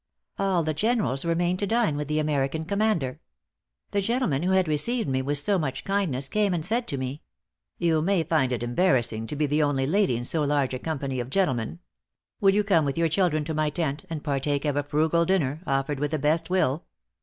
"All the generals remained to dine with the American commander. The gentleman who had received me with so much kindness, came and said to me: "You may find it embarrassing to be the only lady in so large a company of gentlemen. Will you come with your children to my tent, and partake of a frugal dinner, offered with the best will?"